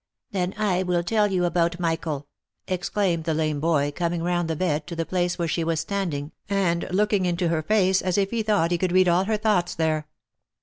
"Then / will tell you about Michael!" exclaimed the lame boy, coming round the bed to the place where she was standing, and look ing into her face as if he thought he could read all her thoughts there.